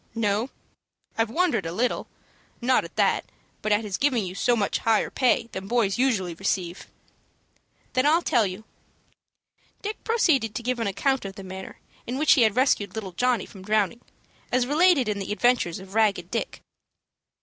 "No; I've wondered a little, not at that, but at his giving you so much higher pay than boys usually receive." "Then I'll tell you." Dick proceeded to give an account of the manner in which he had rescued little Johnny from drowning, as related in the adventures of "Ragged Dick."